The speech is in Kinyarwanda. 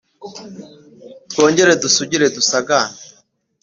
Twongere dusugire dusagambe